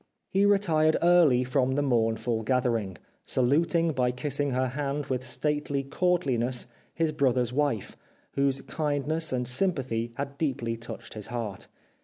He retired early from the mournful gathering, saluting by kissing her hand with stately courth ness, his brother's wife, whose kindness and sympathy had deeply touched his heart.